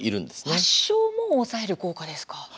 発症も抑える効果ですか。